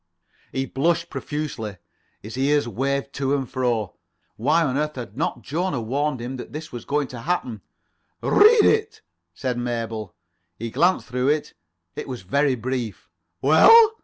He blushed profusely. His ears waved to and fro. Why on earth had not Jona warned him that this was going to happen? "Read it," said Mabel. He glanced through it. It was very brief. "Well?"